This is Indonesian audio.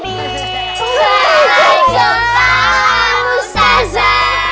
assalamualaikum bapak bustaza